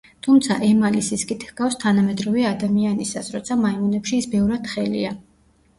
თუმცა ემალი სისქით ჰგავს თანამედროვე ადამიანისას, როცა მაიმუნებში ის ბევრად თხელია.